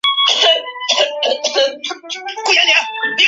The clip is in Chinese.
天纽珍灯鱼为辐鳍鱼纲灯笼鱼目灯笼鱼科的其中一种。